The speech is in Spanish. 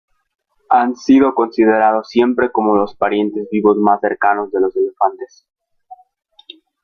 Han sido considerados siempre como los parientes vivos más cercanos de los elefantes.